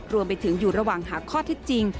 รวมไปถึงอยู่ระหว่างหาข้อเท็จจริง